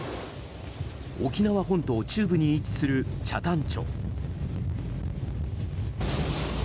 沖縄本島中部に位置する北谷町。